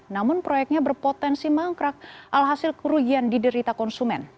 namun proyeknya berpotensi mangkrak alhasil kerugian diderita konsumen